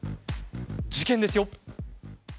事件ですよ。